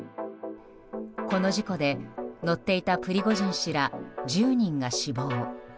この事故で乗っていたプリゴジン氏ら１０人が死亡。